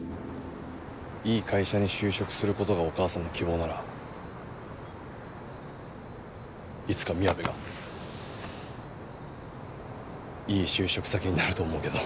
いい会社に就職する事がお母さんの希望ならいつかみやべがいい就職先になると思うけど。